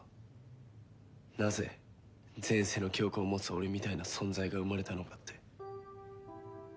なぜ前世の記憶を持つ俺みたいな存在が生まれたのかって。